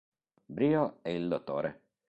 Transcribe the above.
Brio e il Dr.